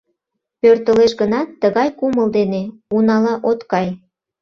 Пӧртылеш гынат, тыгай кумыл дене унала от кай.